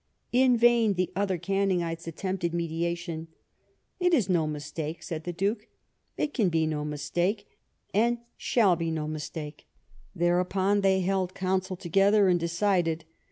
In vain the other Ganningites attempted mediation :'* It is no mistake," said the Duke ;*' it can be no mistake, and shall be no mistake." Thereupon they held counsel together and decided.